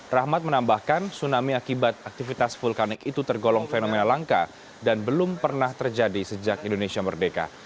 rahmat menambahkan tsunami akibat aktivitas vulkanik itu tergolong fenomena langka dan belum pernah terjadi sejak indonesia merdeka